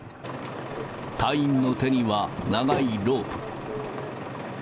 隊員の手には長いロープ。